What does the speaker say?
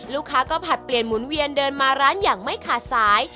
ลูกค้าก็ผลัดเปลี่ยนหมุนเวียนเดินมาร้านอย่างไม่ขาดสาย